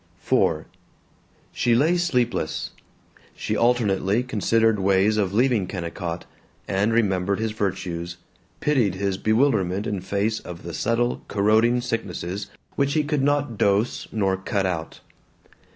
IV She lay sleepless. She alternately considered ways of leaving Kennicott, and remembered his virtues, pitied his bewilderment in face of the subtle corroding sicknesses which he could not dose nor cut out.